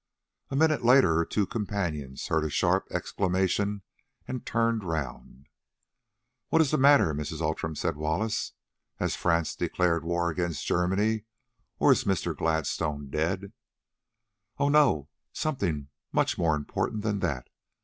A minute later her two companions heard a sharp exclamation and turned round. "What is the matter, Mrs. Outram?" said Wallace. "Has France declared war against Germany, or is Mr. Gladstone dead?" "Oh! no, something much more important than that.